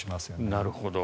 なるほど。